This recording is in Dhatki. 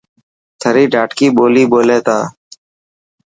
ٿري ڌاٽڪي ٻولي ٻولي ٿا.